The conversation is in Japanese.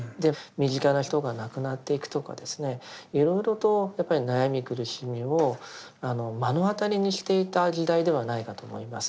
身近な人が亡くなっていくとかですねいろいろとやっぱり悩み苦しみを目の当たりにしていた時代ではないかと思います。